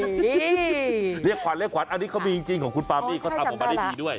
นี่เรียกขวัญเรียกขวัญอันนี้เขามีจริงของคุณปามี่เขาทำออกมาได้ดีด้วย